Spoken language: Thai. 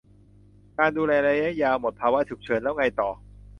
การดูแลระยะยาว หมดภาวะฉุกเฉินแล้วไงต่อ